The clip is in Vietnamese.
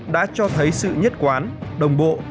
đã cho thấy sự nhất quán đồng bộ